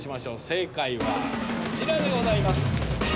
正解はこちらでございます。